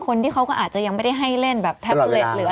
ก่อนนอนชั่วโมงนึงให้เขาดู